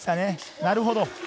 なるほど。